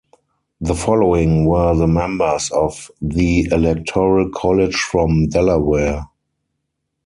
The following were the members of the Electoral College from Delaware.